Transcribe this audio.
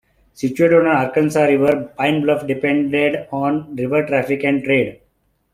Situated on the Arkansas River, Pine Bluff depended on river traffic and trade.